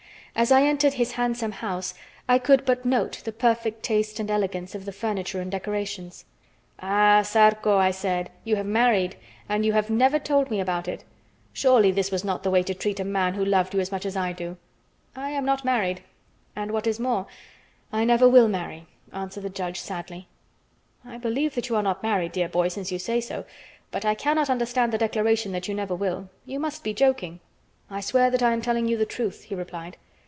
As I entered his handsome house I could but note the perfect taste and elegance of the furniture and decorations. "Ah, Zarco," I said, "you have married, and you have never told me about it. Surely this was not the way to treat a man who loved you as much as I do!" "I am not married, and what is more I never will marry," answered the judge sadly. "I believe that you are not married, dear boy, since you say so, but I cannot understand the declaration that you never will. You must be joking." "I swear that I am telling you the truth," he replied.